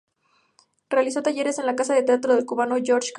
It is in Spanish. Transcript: Realizó talleres en La Casa del Teatro del cubano Jorge Cao.